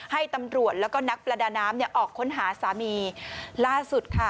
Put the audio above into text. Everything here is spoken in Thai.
ให้ตำรวจแล้วก็นักประดาน้ำเนี่ยออกค้นหาสามีล่าสุดค่ะ